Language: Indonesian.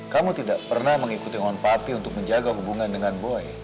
kamu tidak pernah mengikuti on papy untuk menjaga hubungan dengan boy